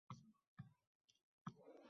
Bahriya Uchoq bu ayolning kimligini aytmagan